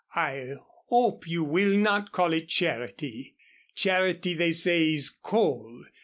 "I hope you will not call it charity. Charity they say is cold.